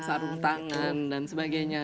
sarung tangan dan sebagainya